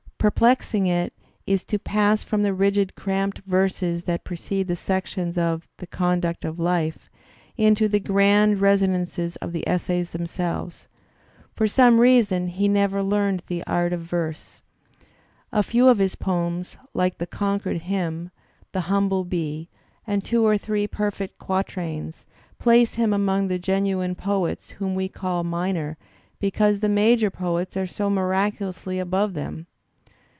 Perplexing it is to pass from the rigid cramped verses that precede the sections of "The Conduct of Life" into the grand resonances of the essays themselves. For some reason he never learned Digitized by Google 74 THE SPIRIT OF AMERICAN LITERATURE the art of verse. A few of his poems, like the "Concord Hymn,'* "The Humble Bee," and two or three perfect quatrains, place him among the genuine poets whom we call minor because the major poets are so miraculously above them.